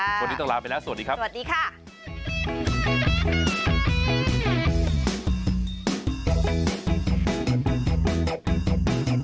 วันนี้ต้องลาไปแล้วสวัสดีครับ